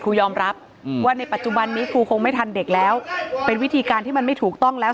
ยอมรับว่าในปัจจุบันนี้ครูคงไม่ทันเด็กแล้วเป็นวิธีการที่มันไม่ถูกต้องแล้ว